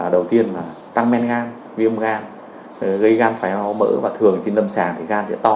đầu tiên là tăng men gan viêm gan gây gan thoái máu mỡ và thường khi nâm sàng thì gan sẽ to